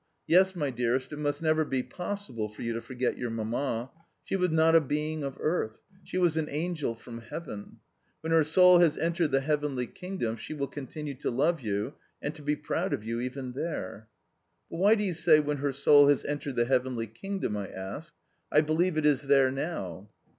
Yes, my dearest, it must never be POSSIBLE for you to forget your Mamma. She was not a being of earth she was an angel from Heaven. When her soul has entered the heavenly kingdom she will continue to love you and to be proud of you even there." "But why do you say 'when her soul has entered the heavenly kingdom'?" I asked. "I believe it is there now."